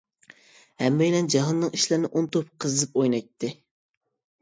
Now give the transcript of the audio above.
ھەممەيلەن جاھاننىڭ ئىشلىرىنى ئۇنتۇپ، قىزىپ ئوينايتتى.